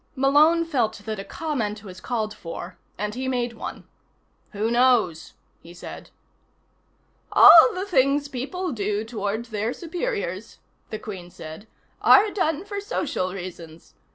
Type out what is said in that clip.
Malone felt that a comment was called for, and he made one. "Who knows?" he said. "All the things people do toward their superiors," the Queen said, "are done for social reasons.